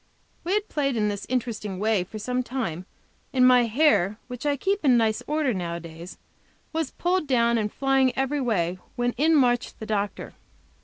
We had played in this interesting way for some time, and my hair, which I keep in nice order nowadays, was pulled down and flying every way; when in marched the doctor.